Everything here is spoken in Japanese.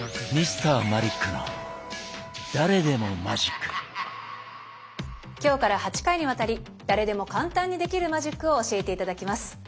マジックは今日から８回にわたり誰でも簡単にできるマジックを教えて頂きます。